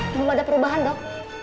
belum ada perubahan dok